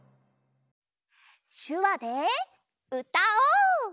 しゅわでうたおう！